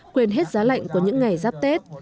quên hết giá lạnh của những ngày giáp tết